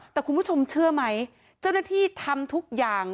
แต่คุณผู้ชมเชื่อไหมเจ้าหน้าที่ทำทุกอย่าง